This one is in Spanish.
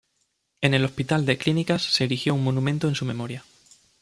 En el hospital de Clínicas se erigió un monumento en su memoria.